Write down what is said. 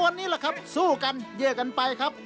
วันนี้แหละครับสู้กันเยื่อกันไปครับ